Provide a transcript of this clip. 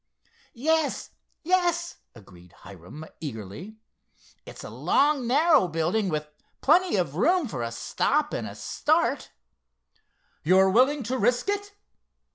"Yes, yes," agreed Hiram eagerly. "It's a long narrow building, with plenty of room for a stop and a start." "You're willing to risk it?"